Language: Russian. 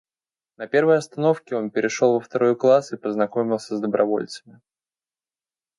На первой остановке он перешел во второй класс и познакомился с добровольцами.